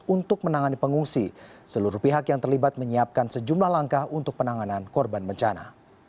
untuk menangani pengungsi seluruh pihak yang terlibat menyiapkan sejumlah langkah untuk penanganan korban bencana